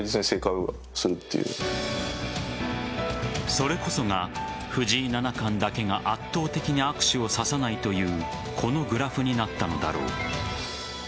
それこそが藤井七冠だけが圧倒的に悪手を指さないというこのグラフになったのだろう。